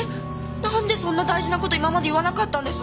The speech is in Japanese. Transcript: なんでそんな大事な事今まで言わなかったんです？